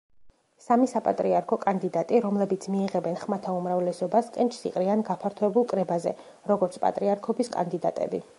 სამი საპატრიარქო კანდიდატი, რომლებიც მიიღებენ ხმათა უმრავლესობას, კენჭს იყრიან გაფართოებულ კრებაზე, როგორც პატრიარქობის კანდიდატები.